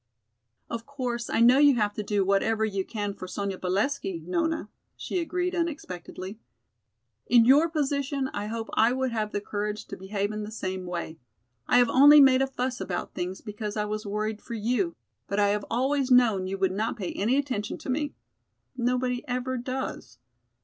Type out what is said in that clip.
"Of course, I know you have to do whatever you can for Sonya Valesky, Nona," she agreed unexpectedly. "In your position I hope I would have the courage to behave in the same way. I have only made a fuss about things because I was worried for you, but I have always known you would not pay any attention to me. Nobody ever does."